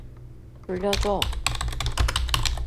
돌려줘!